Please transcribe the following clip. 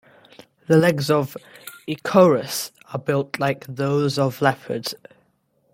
The legs of "Ekorus" are built like those of leopards.